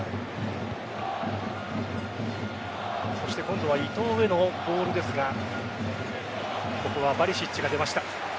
そして今度は伊東へのボールですがここはバリシッチが出ました。